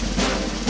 tapi hasil tersebut